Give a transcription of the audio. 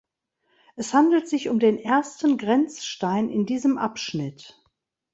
Es handelt sich um den ersten Grenzstein in diesem Abschnitt.